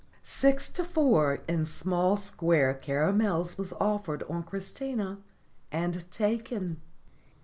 Six to four in small square caramels was offered on Christina and taken.